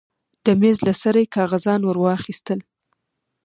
د مېز له سره يې کاغذان ورواخيستل.